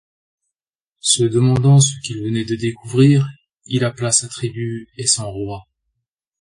Se demandant ce qu'il venait de découvrir, il appela sa tribu et son roi.